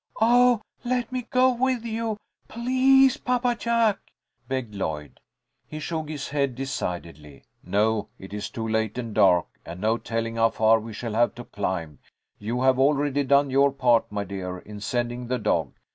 "Oh, let me go with you! Please, Papa Jack," begged Lloyd. He shook his head decidedly. "No, it is too late and dark, and no telling how far we shall have to climb. You have already done your part, my dear, in sending the dog.